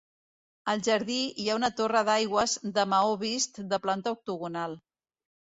Al jardí hi ha una torre d'aigües de maó vist de planta octogonal.